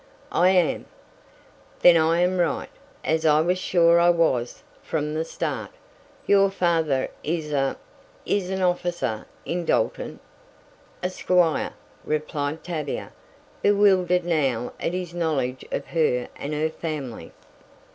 "I am." "Then I am right, as I was sure I was from the start. Your father is a is an officer in Dalton?" "A squire," replied Tavia, bewildered now at his knowledge of her and her family.